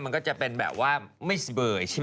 มันก็จะเป็นแบบว่าไม่สบายใช่ไหม